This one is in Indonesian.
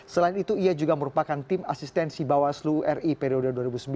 selain itu ia juga merupakan tim asistensi bawaslu ri periode dua ribu sembilan belas dua ribu dua